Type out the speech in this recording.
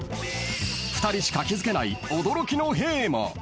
［２人しか気付けない驚きのへぇーも］